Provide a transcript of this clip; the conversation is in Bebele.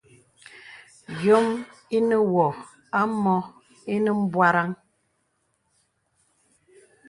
Yɔm inə̀ wǒ ǎ mǒ ìnə m̀bwarə̀ŋ.